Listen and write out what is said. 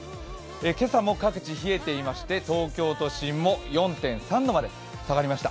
今朝も各地、冷えていまして東京都心も４．３度まで下がりました